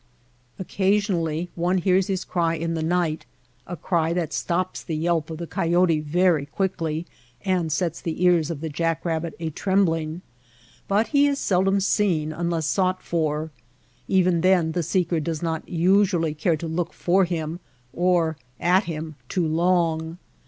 Occasionally one hears his cry in the night (a cry that stops the yelp of the coyote very quickly and sets the ears of the jack rabbit a trembling) but he is seldom seen unless sought for. Even then the seeker does not usually care to look for him, or at him too long.